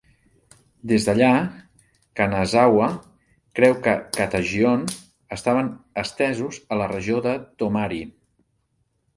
Des d'allà, Kanazawa creu que els kata Jion estaven estesos a la regió de Tomari.